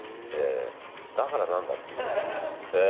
だから何だっていう。